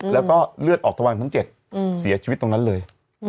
แล้วก็เลือดออกทวังทั้ง๗เสียชีวิตตรงนั้นเลย